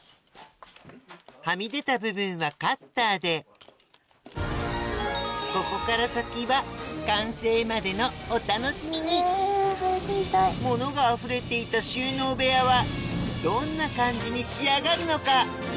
はみ出た部分はカッターでここから先は物があふれていた収納部屋はどんな感じに仕上がるのか？